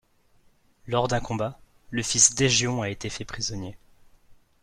Lors d'un combat, le fils d'Hégion a été fait prisonnier.